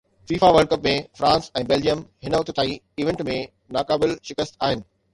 FIFA World Cup ۾ France ۽ Belgium هن وقت تائين ايونٽ ۾ ناقابل شڪست آهن